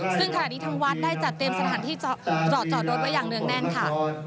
ซึ่งคราวนี้ทั้งวัดได้จัดเต็มสถานที่จอดจอดรถไว้อย่างเนื้องแน่นค่ะ